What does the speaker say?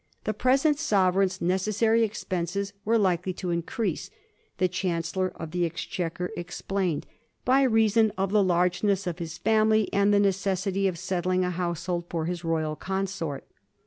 The present sovereign's necessary ex penses were likely to increase, the Chancellor of the Exchequer explained, ' by reason of the large ness of his family, and the necessity of * settling a household for his royal consort.'